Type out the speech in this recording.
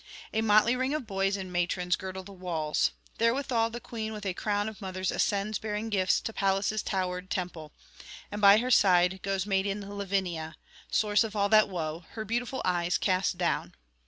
A motley ring of boys and matrons girdle the walls. Therewithal the queen with a crowd of mothers ascends bearing gifts to Pallas' towered temple, and by her side goes maiden Lavinia, source of all that woe, [481 514]her beautiful eyes cast down.